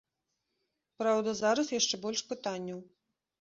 Праўда, зараз яшчэ больш пытанняў.